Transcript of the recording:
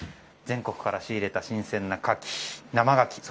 全国から仕入れた新鮮な生ガキ。